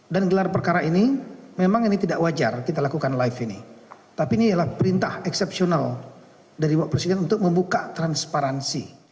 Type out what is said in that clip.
dan gelar perkara ini memang tidak wajar kita lakukan live ini tapi ini adalah perintah eksepsional dari bapak presiden untuk membuka transparansi